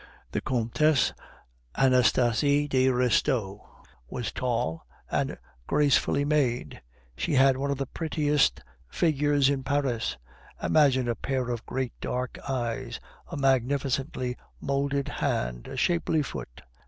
The Comtesse Anastasie de Restaud was tall and gracefully made; she had one of the prettiest figures in Paris. Imagine a pair of great dark eyes, a magnificently moulded hand, a shapely foot.